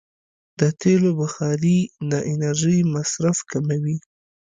د تېلو بخاري د انرژۍ مصرف کموي.